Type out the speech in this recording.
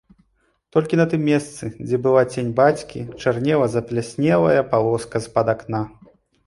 Толькі на тым месцы, дзе была цень бацькі, чарнела запляснелая палоска з-пад акна.